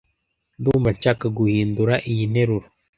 ndumva nshaka guhindura iyi nteruro.